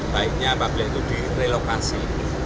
baiknya pabrik itu direlokasi